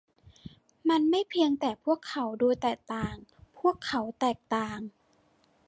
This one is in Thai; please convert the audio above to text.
มันไม่เพียงแต่พวกเขาดูแตกต่าง พวกเขาแตกต่าง